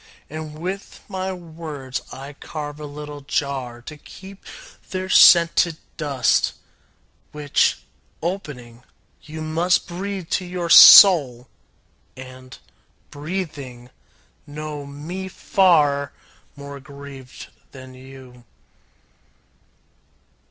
And with my words I carve a little jar To keep their scented dust, Which, opening, you must Breathe to your soul, and, breathing, know me far More grieved than you.